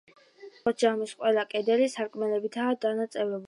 ახოს ჯამის ყველა კედელი სარკმლებითაა დანაწევრებული.